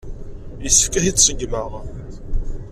Yessefk ad t-id-ṣeggmeɣ.